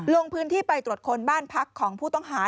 ลงพื้นที่ไปตรวจคนบ้านพักของผู้ต้องหา